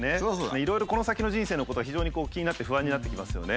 いろいろこの先の人生のことが非常に気になって不安になってきますよね。